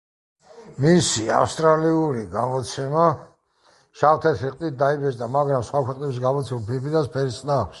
მისი ავსტრალიური გამოცემა შავ-თეთრი ყდით დაიბეჭდა, მაგრამ სხვა ქვეყნებში გამოცემულ ფირფიტას ფერის ყდა აქვს.